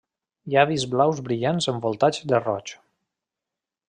Llavis blaus brillants envoltats de roig.